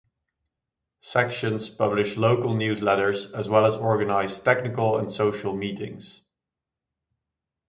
Sections publish local news letters as well as organize technical and social meetings.